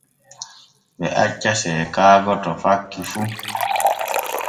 Ɓe acca seekaago to fakki fu.